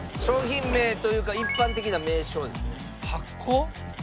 商品名というか一般的な名称ですね。